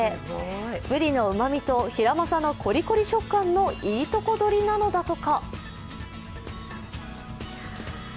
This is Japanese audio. ブリのうまみとヒラマサのコリコリ食感のいいとこどりなのだとか。